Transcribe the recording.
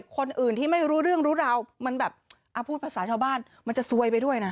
คนอื่นที่ไม่รู้เรื่องรู้ราวมันแบบพูดภาษาชาวบ้านมันจะซวยไปด้วยนะ